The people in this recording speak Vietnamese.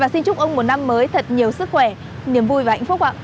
xin chúc ông một năm mới thật nhiều sức khỏe niềm vui và hạnh phúc ạ